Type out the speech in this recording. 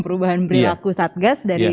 perubahan perilaku satgas dari